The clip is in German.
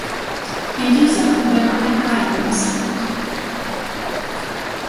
In dieser übernahm er kein Ministeramt.